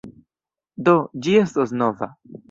Do, ĝi estos nova.